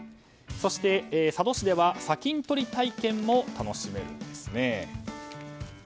そして、佐渡市では砂金とり体験も楽しめるんです。